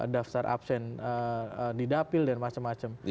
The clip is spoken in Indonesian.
daftar absen didapil dan macam macam